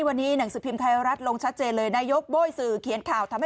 วันนี้หนังสมินไทยรัฐลงชัดเจนเลย